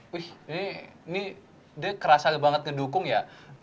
wih ini dia kerasa banget ngedukung ya